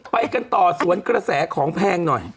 ไปกันต่อสวนกระแสของแพงหน่อย